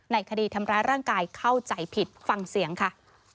คดีทำร้ายร่างกายเข้าใจผิดฟังเสียงค่ะ